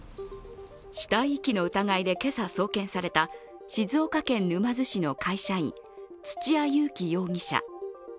死体遺棄の疑いで今朝送検された静岡県沼津市の会社員土屋勇貴容疑者。